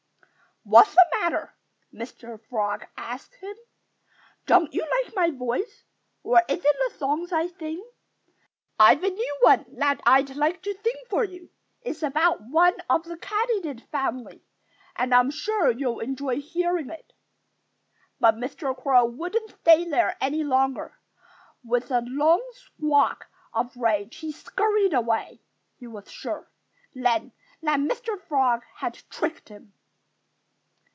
"What's the matter?" Mr. Frog asked him. "Don't you like my voice? Or is it the songs I sing? I've a new one that I'd like to sing for you. It's about one of the Katydid family; and I'm sure you'll enjoy hearing it." But Mr. Crow wouldn't stay there any longer. With a loud squawk of rage he scurried away. He was sure, then, that Mr. Frog had tricked him.